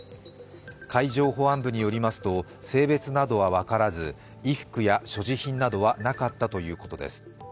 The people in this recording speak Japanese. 海上保安部によりますと性別などは分からず衣服や所持品などはなかったということです。